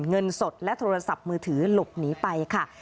เงินสดและโทรศัพท์มือถือหลบหนีไปค่ะ